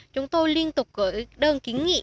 chúng tôi liên tục gửi đơn kiến nghị